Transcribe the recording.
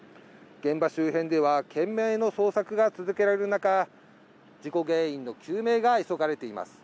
現場周辺では懸命の捜索が続けられる中、事故原因の究明が急がれています。